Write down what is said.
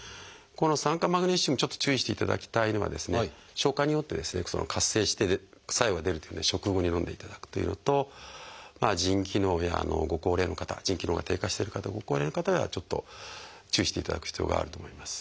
この酸化マグネシウムちょっと注意していただきたいのは消化によって活性して作用が出るというので食後にのんでいただくというのと腎機能やご高齢の方腎機能が低下してる方ご高齢の方はちょっと注意していただく必要があると思います。